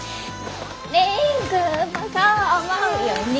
蓮くんもそう思うよね？